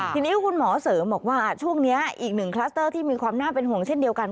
ทีนี้คุณหมอเสริมบอกว่าช่วงนี้อีกหนึ่งคลัสเตอร์ที่มีความน่าเป็นห่วงเช่นเดียวกัน